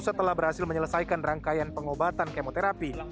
setelah berhasil menyelesaikan rangkaian pengobatan kemoterapi